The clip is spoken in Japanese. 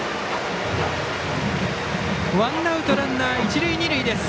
ワンアウトランナー、一塁二塁です。